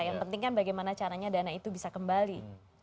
yang penting kan bagaimana caranya dana itu bisa kembali